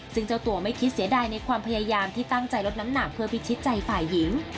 ซึ่งเจ้าตัวไม่คิดเสียดายในความพยายามที่ตั้งใจลดน้ำหนักเพื่อพิชิตใจฝ่ายหญิง